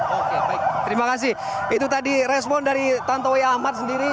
oke baik terima kasih itu tadi respon dari tantowi ahmad sendiri